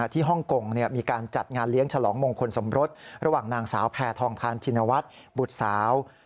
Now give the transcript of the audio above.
ฮ่องกงมีการจัดงานเลี้ยงฉลองมงคลสมรสระหว่างนางสาวแพทองทานชินวัฒน์บุตรสาว